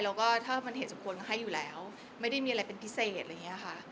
แล้วก็ถ้ามันเหตุสมควรให้อยู่แล้วไม่ได้มีอะไรเป็นพิเศษอะไรอย่างนี้ค่ะ